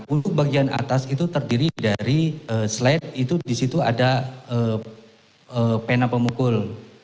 untuk bagian atas itu terdiri dari slide itu di situ ada pena pemukul